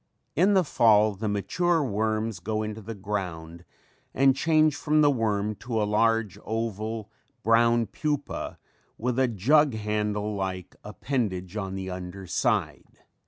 In the fall the mature worms go into the ground and change from the worm to a large, oval, brown pupa with a jug handle like appendage on the under side.